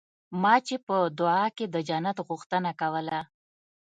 ما چې په دعا کښې د جنت غوښتنه کوله.